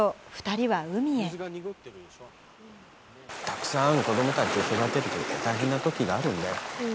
たくさんの子どもたちを育てると、大変なときがあるんだよ。